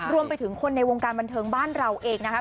รวมไปถึงคนในวงการบันเทิงบ้านเราเองนะครับ